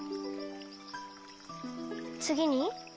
つぎに？